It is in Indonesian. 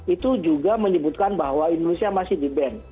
itu juga menyebutkan bahwa indonesia masih dibank